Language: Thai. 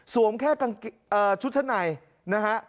แค่ชุดชั้นในนะฮะ